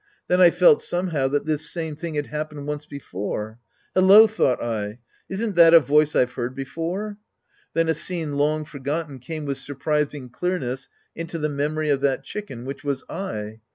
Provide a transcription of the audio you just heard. Then I felt somehow that this sam.e thing had hap pened once before. " Hello," thought I, " isn't that a voice I've heard before?" Then a scene long forgotten came with surprising clearness into the me moiy of that chicken, which was I.